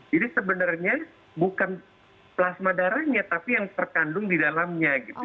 jadi sebenarnya bukan plasma darahnya tapi yang terkandung di dalamnya gitu